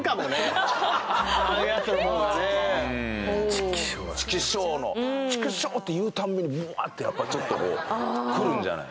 チクショーだよねチクショーのチクショーって言う度にぶわーってやっぱちょっとこうくるんじゃない？